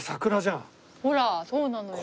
ほらそうなのよ。